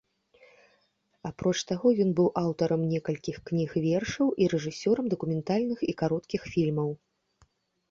Апроч таго, ён быў аўтарам некалькіх кніг вершаў і рэжысёрам дакументальных і кароткіх фільмаў.